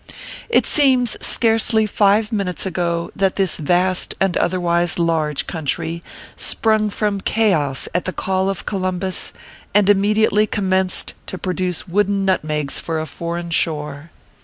It seems scarcely five minutes ago that this vast and otherwise large country sprung from chaos at the call of Columbus, and immediately commenced to produce wooden nutmegs for a foreign shore.